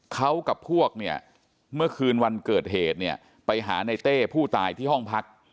เขากับพวกเนี่ยเมื่อคืนวันเกิดเหตุเนี่ยไปหาในเต้ผู้ตายที่ห้องพัก